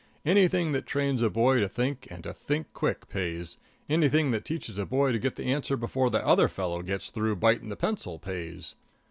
Anything that trains a boy to think and to think quick pays; anything that teaches a boy to get the answer before the other fellow gets through biting the pencil, pays.